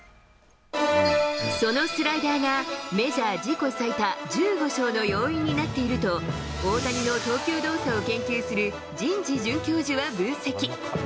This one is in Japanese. そのスライダーが、メジャー自己最多１５勝の要因になっていると、大谷の投球動作を研究する神事准教授は分析。